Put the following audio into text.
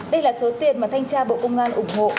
đây là số tiền mà thanh tra bộ công an ủng hộ